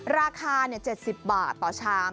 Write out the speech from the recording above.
ราคา๗๐บาทต่อชาม